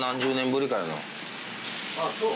あぁそう。